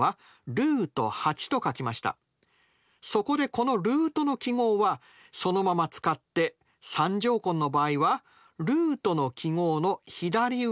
そこでこのルートの記号はそのまま使って３乗根の場合はルートの記号の左上に小さく３と書きます。